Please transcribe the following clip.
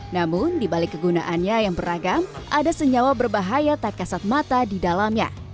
namun di balik kegunaannya yang beragam ada senyawa berbahaya tak kasat mata di dalamnya